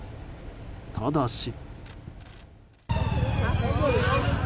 ただし。